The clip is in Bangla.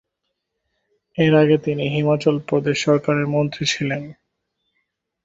এর আগে তিনি হিমাচল প্রদেশ সরকারের মন্ত্রী ছিলেন।